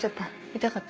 痛かった？